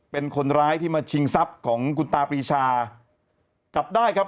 เป็นคนร้ายที่มาชิงทรัพย์ของคุณตาปรีชาจับได้ครับ